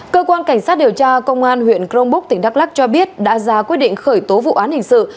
cơ quan cảnh sát điều tra công an huyện crongbuk tỉnh đắk lắc cho biết đã ra quyết định khởi tố vụ án hình sự